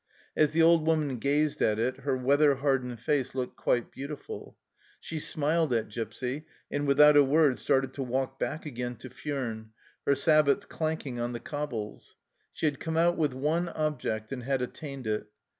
As the old woman gazed at it her weather hardened face looked quite beautiful ; she smiled at Gipsy, and without a word started to walk back again to Furnes, her sabots clanking on the cobbles. She had come out with one object, and had attained it.